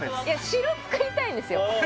城つくりたいんですよ